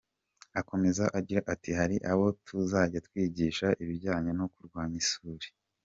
Akomeza agira ati: “Hari abo tuzajya twigisha ibijyanye no kurwanya isuri.